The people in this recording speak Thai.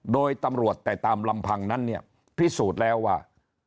โดยตำรวจแต่ตามลำพังนั้นเนี่ยพิสูจน์แล้วว่า